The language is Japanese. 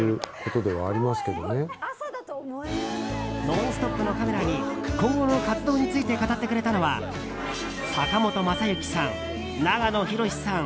「ノンストップ！」のカメラに今後の活動について語ってくれたのは坂本昌行さん、長野博さん